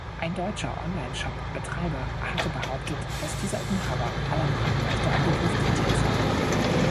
Ein deutscher Online-Shop-Betreiber hatte behauptet, dass dieser Inhaber aller Markenrechte am Begriff „Deejay“ sei.